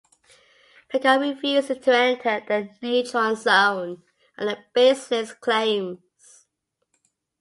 Picard refuses to enter the Neutral Zone on the baseless claims.